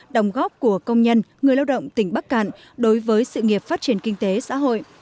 đồng góp của công nhân người lao động tỉnh bắc cạn đối với sự nghiệp phát triển kinh tế xã hội